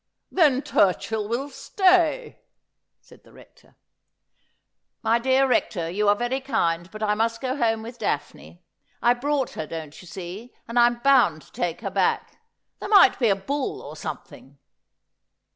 ' Then Turchill will stay,' said the Rector. ' My dear Rector, you are very kind, but I must go home with Daphne. I brought her, don't you see, and I'm bound to take her back. There might be a bull, or something.'